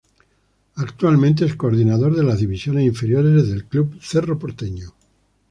Actualmente es Coordinador de las Divisiones Inferiores del Club Cerro Porteño.